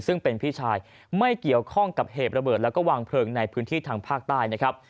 ซึ่งเป็นพี่ชายไม่เกี่ยวข้องกับเหตุระเบิดแล้วก็วางเพลิงในพื้นที่ทางภาคใต้นะครับ